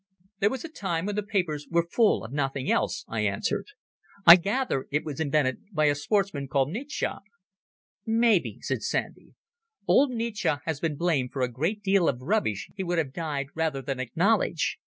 "There was a time when the papers were full of nothing else," I answered. "I gather it was invented by a sportsman called Nietzsche." "Maybe," said Sandy. "Old Nietzsche has been blamed for a great deal of rubbish he would have died rather than acknowledge.